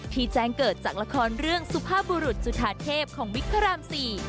ที่แจ้งเกิดจากละครเรื่องสุภาบุรุษจุธาเทพของวิคารามสี่